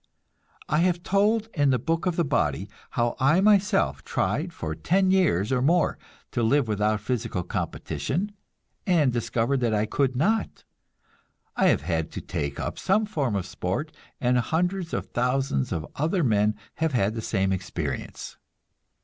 I have told in the Book of the Body how I myself tried for ten years or more to live without physical competition, and discovered that I could not; I have had to take up some form of sport, and hundreds of thousands of other men have had the same experience.